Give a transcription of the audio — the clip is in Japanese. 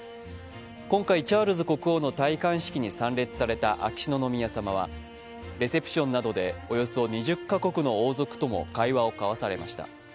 今回、チャールズ国王の戴冠式に参列された秋篠宮さまはレセプションなどでおよそ２０か国の王族とも会話を交わされました。